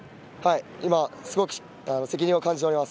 今すごく責任を感じております。